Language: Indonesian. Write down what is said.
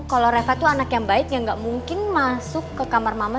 kalau reva itu anak yang baik yang gak mungkin masuk ke kamar mama